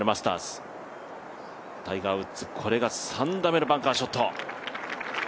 タイガー・ウッズ、これが３打目のバンカーショット。